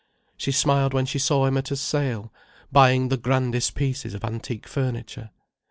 She smiled when she saw him at a sale, buying the grandest pieces of antique furniture.